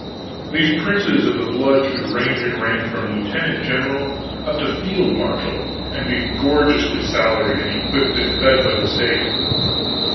These princes of the blood should range in rank from Lieutenant General up to Field Marshal, and be gorgeously salaried and equipped and fed by the state.